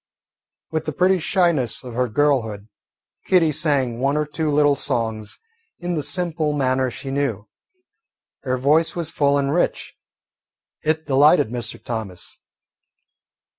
With the pretty shyness of girlhood, Kitty sang one or two little songs in the simple manner she knew. Her voice was full and rich. It delighted Mr. Thomas.